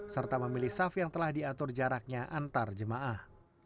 serta memilih saf yang telah diatur jaraknya antar jemaah